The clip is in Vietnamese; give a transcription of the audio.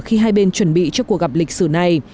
khi hai bên chuẩn bị cho cuộc gặp lịch sử này